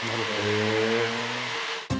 へえ。